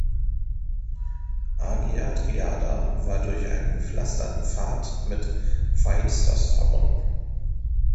Agia Triada war durch einen gepflasterten Pfad mit Phaistos verbunden.